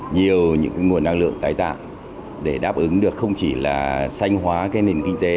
nhiều những nguồn năng lượng tái tạo để đáp ứng được không chỉ là sanh hóa cái nền kinh tế